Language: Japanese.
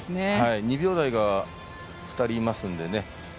２秒台が２人いますのでね。